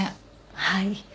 はい。